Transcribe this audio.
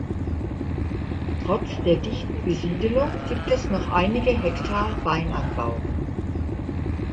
Trotz der dichten Besiedelung gibt es noch einige Hektar Weinanbau.